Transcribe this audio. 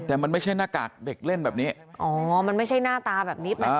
แต่มันไม่ใช่หน้ากากเด็กเล่นแบบนี้อ๋อมันไม่ใช่หน้าตาแบบนี้